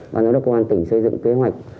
ban giám đốc công an tỉnh xây dựng kế hoạch